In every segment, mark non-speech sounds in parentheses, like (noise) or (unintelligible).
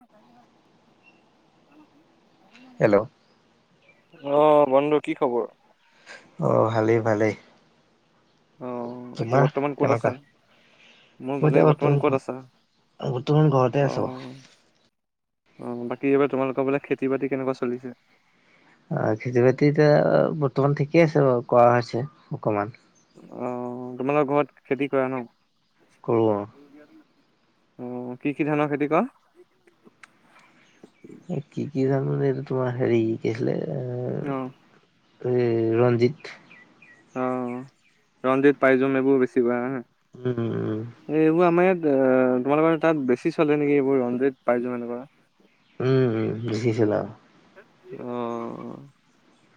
(unintelligible) Hello অহ বন্ধু কি খবৰ? অ ভালেই ভালেই। আহ এতিয়া তোমাৰ বৰ্তমান ক'ত কেনেকুৱা? আছা? মোৰ মই ভালে, এতিয়া বৰ্তমান ঘ ক'ত আছা বৰ্তমান ঘৰতে আছো। অহ? অ', বাকী এইবাৰ তোমালোকৰ বোলে খেতি বাতি কেনেকুৱা চলিছে? অ', খেতি বাতি বৰ্তমান ঠিকেই আছে বাৰু কৰা হৈছে অকমান। অ', তোমালোকৰ ঘৰত খেতি কৰা ন। কৰো আৰু। অহ কি, কি ধানৰ খেতি কৰা? এ কি, কি জানো এইটো তোমাৰ হেৰি কি আছিলে। অহ। এই ৰঞ্জিত। অ', ৰঞ্জিত পাইজোম এইবোৰ বেছি কৰা হ উম উম এই এইবোৰ আমাৰ ইয়াত এ তোমালোক মানে তাত বেছি চলে নেকি এইবোৰ ৰঞ্জিত পাইজোঙ এনেকুৱা। উম, উম বেছিচলে। অ',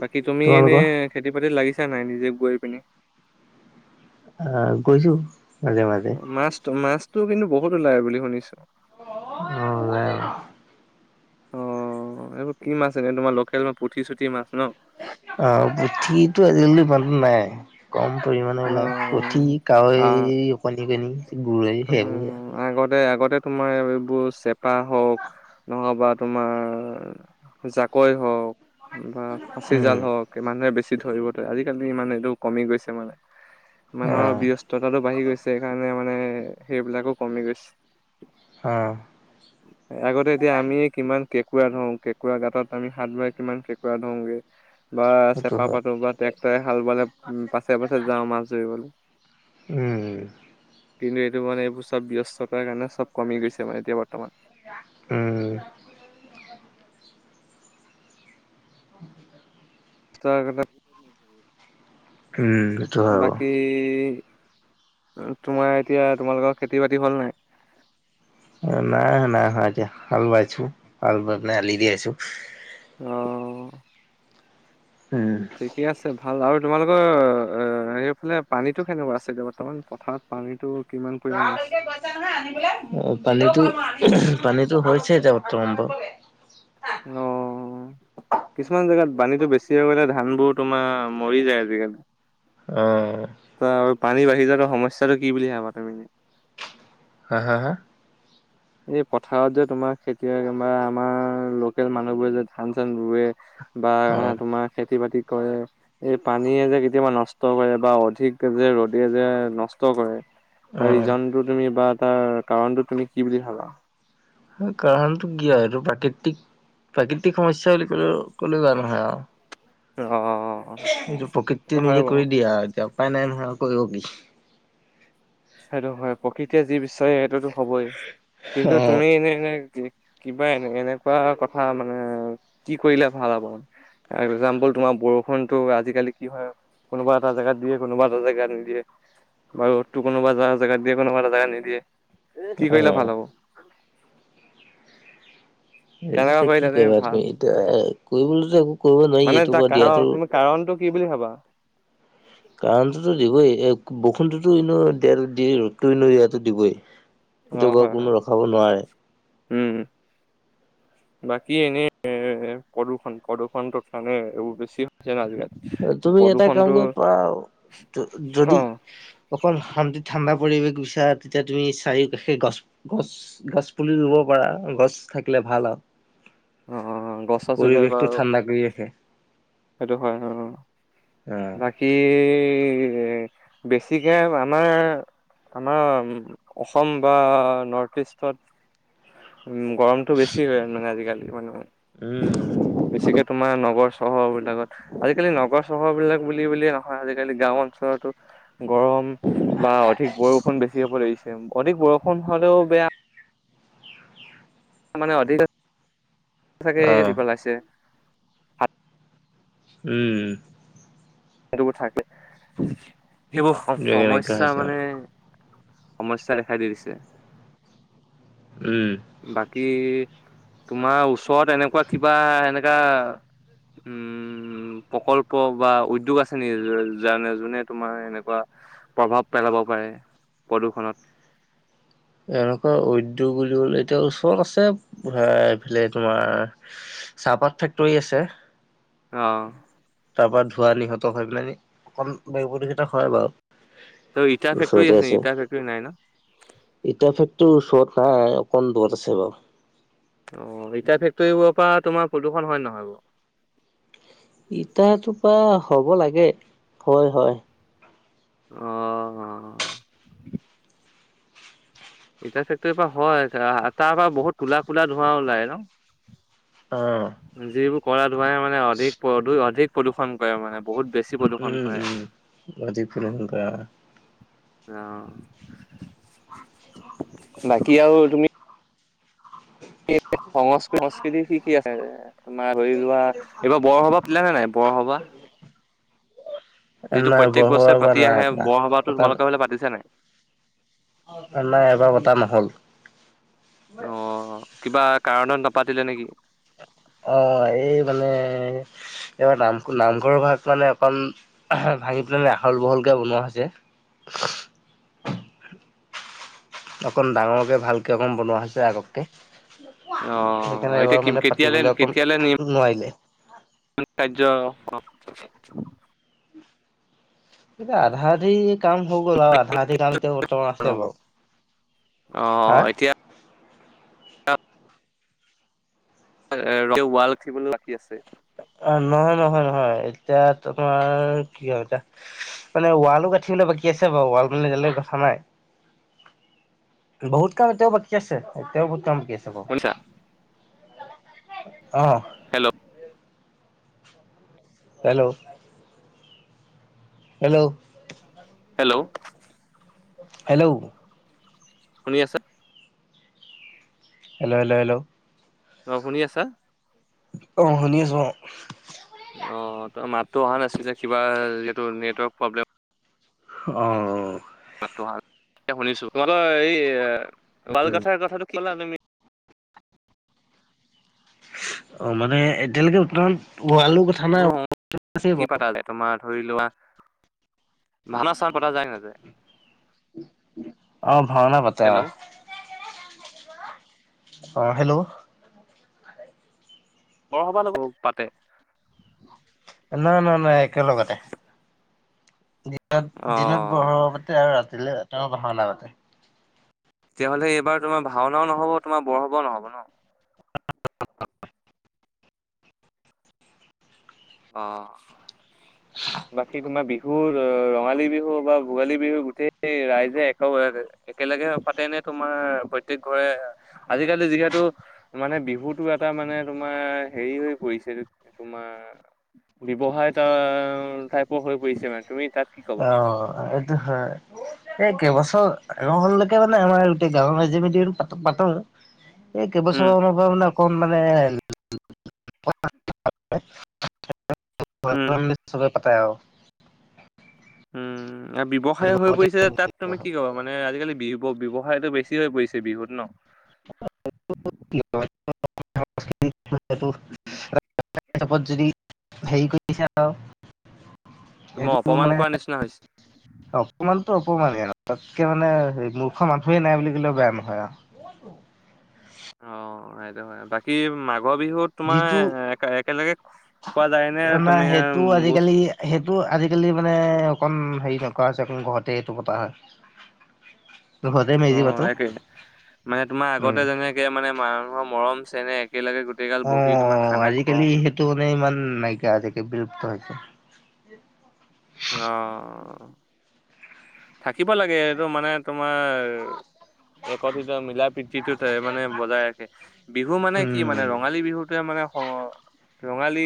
বাকী তুমি এনে তোমালোকৰ খেতি পাতিত লাগিছিল ইচ্ছা নাই নিজে গৈ পিনি। আহ গৈছোঁ। মাছ, মাছতটো কিন্তু বহুত ওলায় বুলি শুনিছোঁ। ওলাই। অ এইবোৰ কি মাছ এনে তোমাৰ লোকেল ম পুঠি চুঠি মাছ ন। অ পুঠিটো আজিকালি ইমান নাই কম পৰিমানে ওলাই পুঠি। অ', গাৱৈ ও কণী কণী উ আগতে আগতে তোমাৰ এইবোৰ চেপা হওক নহবা তোমাৰ জাকৈ হওক বা ফাঁচি জাল উম, হওক, মানুহে বেছি ধৰিব নোৱাৰে। আজিকালি ইমান, এইটো কমি গৈছে মানে মানুহৰ আহ, ব্যস্ততাটো বাঢ়ি গৈছে সেইকাৰণে মানে, সেইবিলাকো কমি গৈছে। আহ, আগতে এতিয়া আমি কিমান কেঁকুৰা ধৰো কেঁকুৰা গাঁতত আমি হাত বাৰ কিমান কেঁকুৰা ধৰোগে। বা সেইটো চেপা হয়। পাতোঁ বা ট্ৰেক্টৰে হাল বালে পাছে পাছে যাওঁ মাছ ধৰিবলৈ। উম। কিন্তু এইটো মানে এইবোৰ চব ব্যস্ততাৰ কাৰণে চব কমি গৈছে মানে এতিয়া বৰ্তমান। উম। তই আগতে উম, সেইটো হয় বাৰু। বাকী তোমাৰ এতিয়া তোমালোকৰ খেতি বাতি হ'ল নাই? নাই, নাই, হয় দিয়া। হাল বাইছোঁ, হাল বাই পেলাই আলি দি আছোঁ। অ'। উম। ঠিকে আছে ভাল আৰু তোমালোকৰ আ, সেইফালে পানীটো কেনেকুৱা আছিলে? বৰ্তমান পথাৰত পানীটো কিমান আ, পৰিমাণে আছে? পানীটো পানীটো হৈছে এতিয়া বৰ্তমান ব অ'। কিছুমান জেগাত পানীটো বেছি হৈ গ'লে ধানবোৰ তোমাৰ, মৰি যায় আজিকালি। অ'। এই যিটো সমস্যাটো কি বুলি ভাবা তুমি? হা, হা, হা। এই পথাৰত যে তোমাৰ খেতিয়ক আমাৰ, আমাৰ লোকেল মানুহবোৰে যে ধান চান ৰুৱে বা অ', তোমাৰ খেতি-বাতিত কৰে, এই পানীয়ে যে কেতিয়াবা নষ্ট কৰে বা অধিক যে, ৰ'দে যে নষ্ট কৰে তাৰ অ', ৰিজনটো তুমি বা তাৰ কাৰণটো তুমি কি বুলি ভাবা? কাৰণটো কি আৰু এইটো প্ৰাকৃতিক প্ৰাকৃতিক সমস্যা বুলি ক'লেও, ক'লেও বেয়া নহয় আৰু অ', এইটো সেইটো প্ৰকৃতিয়ে হয় নিজে বাৰু কৰি দিয়ে আৰু এতিয়া উপায় নাই নহয় আৰু কৰিব কি? সেইটো হয় প্ৰকৃতিয়ে যি বিচাৰে সেইটোতো হ'বই। কিন্তু অ', তুমি এনে, এনে (unintelligible) কিবা এনে-এনেকুৱা কথা মানে, কি কৰিলে ভাল হ'ব? এক্জাম্পল তোমাৰ বৰষুণতো আজিকালি কি হয় কোনোবা এটা জেগাত দিয়ে কোনোবা এটা জেগাত নিদিয়ে বাৰু কোনোবা এটা জোগাত দিয়ে কোনোবা জোগাত নিদিয়ে কি কৰিলে অ'। ভাল হ'ব সেটো কেনেকুৱা তই কি কৰিলে কৰিবা ভাল তুমি এতিয়া এ কৰিবলে টো একো কৰিব নোৱাৰি মানে এইটো তাৰ বা দিয়াতো কাৰণ তুমি কাৰণটো কি বুলি ভাবা কাৰণটোতো দিবই বৰষুণতটোতো এনো দিয় দিয়ে ৰ'দতো এনেই দিয়াতো দিবই অ সেইটো বাও হয় হয় কোনো ৰখাব নোৱাৰে উম বাকী এনেই প্ৰদূষণ প্ৰদূষণটোৰ কাৰানে এইবোৰ বেছি হৈছে ন আজিকালি তুমি এটা কাম প্ৰদূষণটো কৰি পৰা অ যদি অকল শান্তি ঠাণ্ডা পৰিৱেশ বিচাৰ তেতিয়া তুমি চাৰিওকাষে গছ গছ গছ পুলি ৰুব পাৰা গছ থাকিলে ভাল আও অ গছ চছ ৰোলে বাৰু ঠাণ্ডা কৰি ৰাখে। সেইটো হয় অ অ বাকী বেছিকে আমাৰ আমাৰ অসম বা নৰ্থ ইষ্টত উম গৰমটো বেছি হয় মানে আজিকালি মানে উম উম। বেছিকে তোমাৰ নগৰ চহৰ বিলাকত আজিকালি নগৰ চহৰবিলাক বুলি বুলিয়ে নহয় আজিকালি গাওঁ অঞ্চলতো গৰম বা অধিক বৰষুণ বেছি হ'ব লাগিছে অধিক বৰষুণ হলেওঁ বেয়া মানে অধিকাকে অ (unintelligible) দি পেলাইছে উম। সেইটোবোৰ থাকে সেইবোৰ এনেকা সমস্যা হৈছে মানে সমস্যাই দেখাই দি দিছে, উম বাকী তোমাৰ ওচৰত এনেকুৱা কিবা এনেকা উম প্ৰকল্প বা উদ দ্যোগ আছে নিকি জে যোনে তোমাৰ এনেকুৱা প্ৰভাৱ পেলাব পাৰে প্ৰদূৰ্ষনত এনেকুৱা উদ্যোগ বুলি বলে এতিয়া ওচৰত আছে এ এইফালে তোমাৰ চাহপাত ফেক্টৰী আছে অহ তাৰ পৰা ধোঁৱ নিৰ্গত হৈ পেলাই নি অকণ বেগু (unintelligible) প্ৰতিোগিতা হয় ত' ইটা বাৰু ফেক্টৰী ওচৰতে নেকি? আছে ইটা ফেক্টৰী নাই ন? ইটা ফেক্ট এইটো ওচৰত নাই অকণ দৃৰত আছে বাৰু। অ', ইতা ফেক্টৰীবোৰৰ পৰা তোমাৰ প্ৰদূষণ হয় নহয় বাৰু? ইতাতো পা হ'ব লাগে, হয় হয়। আহ। ইতা ফেক্টৰীৰ পৰা হয় তাৰ পৰা বহুত কোলা কোলা ধোঁৱা ওলাই ন'। আহ। যিবোৰ ক'লা ধোঁৱাই মানে অধিক প্ৰ অধিক প্ৰদূষণ কৰে মানে। বহুত বেছি প্ৰদূষণ উম কৰে। উম অধিক প্ৰদূষণ কৰে আহ। বাকী আৰু তুমি সংস্কৃ সংস্কৃতি কি কি আছে তোমাৰ ধৰি যোৱা এইবাৰ বৰসবাহ পিল নে নাই বৰসবাহ যিটো নাই প্ৰত্যেক বৰষুণৰ বছৰে এবাৰ পাতি নাই আহে পৰা বৰসভাতো পতা তোমালোকে ফালে পাতিছে নাই? নাই এবাৰ পতা নহ'ল। অ', কিবা কাৰণত নাপাতিলে নেকি? অ', এই মানে এইবাৰ নাম নামঘৰৰ ভাগ মানে অকণ ভাঙি পেলাই আহল বহলকে বনোৱা হৈছে। স (unintelligible) অকণ ডাঙৰকৈ ভালকৈ অকণ বনোৱা হৈছে আগতকে। অ', সেইকাৰণে এতিয়া এবাৰ কি মানে কেতিয়ালে পাতিবলে অকণ কেতিয়ালে নিম নোৱাৰিলে। কাৰ্য এতিয়া আধা আধি কাম হৈ গ'ল আৰু আধা আধি কাম এতিয়া বৰ্তমান আছে বাৰু হা আহ এতিয়া ৰ ৱাল উঠিবলৈ বাকী আছে। অ', নহয় নহয় নহয় এতিয়া তোমাৰ কি ক এতিয়া মানে ৱালো গাঁঠিবলৈ বাকী ঠিক আছে বাৰু ৱাল মানোলৈ কথা নাই উ। বহুত কাম এতিয়াও বাকী আছে এতিয়াও বহুত কাম বাকী আছে শুনিছা? অ'। Hello hello. Hello. Hello. Hello. শুনি আছা? হেল্ল' হেল্ল' হেল্ল' অ শুনি আছা? অহ শুনিছো অ। অ ত মাততো অহা নাছিলে কিবা যিহেটো নেটৱৰ্ক প্ৰব্লেম। অ। তহাল এতিয়া শুনিছো তোমালৰ এই লাল উম কথাৰ কথাটো কলা তুমি? অ মানে এতিয়ালৈকে ব্তমান ৱালো কথা নাই বিহু সম (unintelligible) আছে কি বাও। পাতা যায়? তোমাৰ ধৰি লোৱা ভাওঁনা চাওন পতা যায় নাযায়। অ', ভাওনা পাতে অ'। হেল্ল' আহ হেল্ল'। বৰসভালোকক পাতে নাই নাই নাই একেলগতে। দিনত দিনত অ'। বৰসবাহ পাতে আৰু ৰাতি দ এটা ভাওনা পাতে। তেতিয়াহ'লে এইবাৰ তোমাৰ ভাওনাও নহ'ব তোমাৰ বৰসবাহো নহ'ব ন। আহ। (inaudible) বাকী তোমাৰ বিহুৰ ৰঙালী বিহু বা ভোগালী বিহু গোটেই ৰাইজে এক একে লাগে পাতে আও পাতে নে তোমাৰ প্ৰত্যেক ঘৰে আজিকালি যিহেতু মানে বিহুটো এটা মানে মানে তোমাৰ হেৰি হৈ পৰিছে তোমা ব্যৱসায় টা টাইপৰ হৈ পৰিছে মানে তুমি তাত কি কবা? অ এইটো হয়। এই কেইবছৰ নহলেকে মানে আমাৰ গোটেই গাৱৰ মাজে মিতি আৰু পাতোক পাতোং। এই কেইবছৰ উম মান পা মানে কন মানে উম (unintelligible) চবে পাতে আও উম আ ব্যৱসায় হৈ পৰিছে তাত তুমি কি কবা মানে আজিকালি বিব বিব হয় এইটো বেছি হৈ পৰিছে বিহুত ন (unintelligible) (unintelligible) যদি হেৰি কৰিছে আও তোমাক এইটো অপমান মানে কৰা নিচিনা হৈছে। অকমান অপমানে তাতকে মানে মূৰ্খৰ মানুহে নাই বুলি কলেও বেয়া নহয় আৰু। অ সেইটো হয়, বাকী মাঘৰ বিহুত তোমাৰ এক একেলগে খোৱা যায় নে নাই তুমি সেইটো বুজ আজিকালি সেইটো আজিকালি মানে অকণ হেৰি নকৰা হৈছে অকণ ঘৰতে সেইটো পতা হয়। ঘৰতে অ মেজি পাতো একে, মানে তোমাৰ উম। আগতে যেনেকে মানে মানুহৰ মৰম চেনেহ একেলগে গোটেই গাল অ বহি তোমাৰ খানা খোৱা আজিকালি সেইটো মানে ইমান নাইকিয়া হৈ থাকিল বিলুপ্ত হৈ (inaudible) অহ থাকিব লাগে এইটো মানে তোমাৰ একতিত মিলা (unintelligible) মানে বজাই ৰাখে বিহু মানে কি মানে উম। ৰঙালী বিহুটোৱে মানে ও ৰঙালী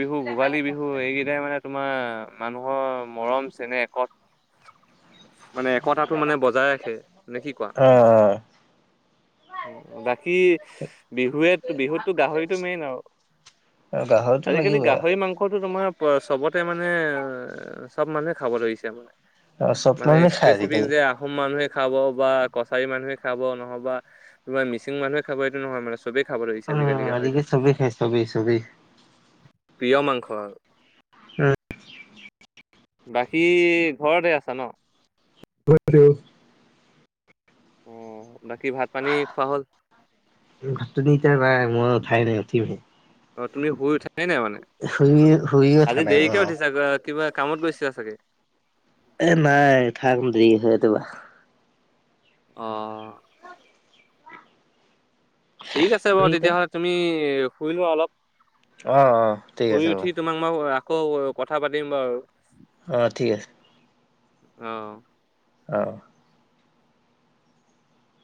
বিহু, ভোগালী বিহু এইকেইটাই মানে তোমাৰ মানুহৰ মৰম চেনেহ একত মানে একতাটো মানে বজাই ৰাখে, মানে কি কোৱা? অ' বাকী বিহুৱে বিহুতো গাহৰিটো মেইন আৰু। গাহৰিটো আজিকালি লাগিবই গাহৰি মাংসটো তোমাৰ চবতে মানে চব মানুহে খাব ধৰিছে মানে, আৰু চব মানে মানুহে খাই স্পেচিফিক আজিকালি। যে আহোম মানুহে খাব বা কছাৰী মানুহে খাব নহবা কিবা মিচিং মানুহে খাব এইটো নহয় মানে চবেই খাব লাগিছে আজিকালি উম, গাহৰিটো। চবেই খাই চবেই চবেই। প্ৰিয় মাংস আৰু। বাকী ঘৰতে আছা ন? ঘৰতে অহ। অ বাকী ভাত পানী খোৱা হ'ল। ঘত টু দি ইতিয়া বাই মই উঠাই নাই উঠিম হে। অ তুমি শুই উঠাই নাই মানে? শুইয়ে উঠা আজি নাই মই দেৰিকে অ'। উঠিছা গত কিবা কামত গৈছা চাগে। এ নাই ঠা কন দেৰি হয় এত বা অ। ঠিক আছে বাৰু তুমি এতিয়া তেতিয়াহ'লে তুমি শুই লোৱা অলপ। অ', অ', ঠিক শুই আছে উঠি বাৰু তোমাক মই আকৌ কথা পাতিম বাৰু। অঁ ঠিক আছে। অহ অ',